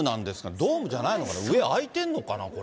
ドームじゃないのかな、上開いてるのかな、これ。